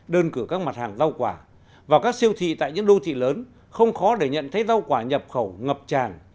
đơn cử các mặt hàng rau quả vào các siêu thị tại những đô thị lớn không khó để nhận thấy rau quả nhập khẩu ngập tràn